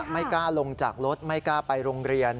ไม่กล้าลงจากรถไม่กล้าไปโรงเรียน